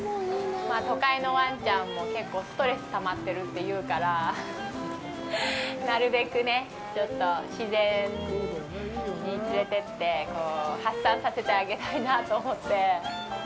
都会のわんちゃんも結構ストレスたまってるっていうからなるべくね、ちょっと自然に連れてって発散させてあげたいなと思って。